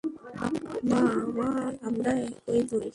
না, আমরা একই নই।